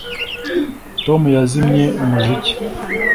Tom yazimye umuziki